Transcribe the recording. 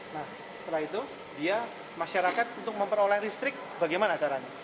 nah setelah itu dia masyarakat untuk memperoleh listrik bagaimana caranya